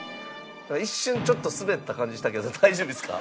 一瞬ちょっとスベった感じしたけど大丈夫ですか？